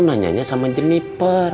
udah yang sampe unsur unsur